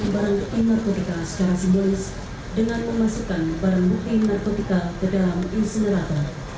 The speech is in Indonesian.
bapak presiden dan para pejabat pendamping